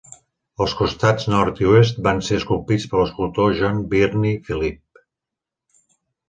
Els costats nord i oest van ser esculpits per l'escultor John Birnie Philip.